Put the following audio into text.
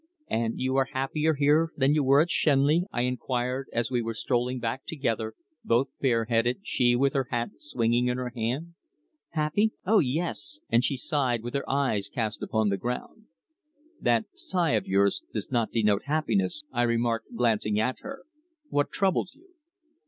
"And you are happier here than you were at Shenley?" I inquired, as we were strolling back together, both bareheaded, she with her hat swinging in her hand. "Happy? Oh, yes," and she sighed, with her eyes cast upon the ground. "That sigh of yours does not denote happiness," I remarked, glancing at her. "What troubles you?"